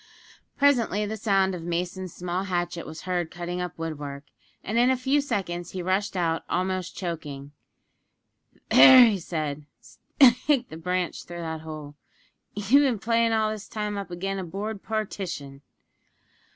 Presently the sound of Mason's small hatchet was heard cutting up woodwork, and in a few seconds he rushed out almost choking. "There," said he, "stick the branch through that hole. You've bin playin' all this time up agin' a board partition!"